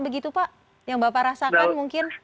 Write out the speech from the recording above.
begitu pak yang bapak rasakan mungkin